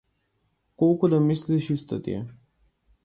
Колку да мислиш исто ти е.